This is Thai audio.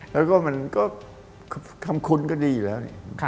แล้วก็ขำคุ้นก็ดีอยู่แล้ว